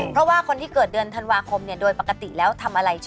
เพราะว่าคนที่เกิดเดือนธันวาคมเนี่ยโดยปกติแล้วทำอะไร